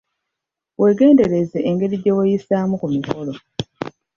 Weegendereze engeri gye weeyisaamu ku mikolo.